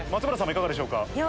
いかがでしょうか？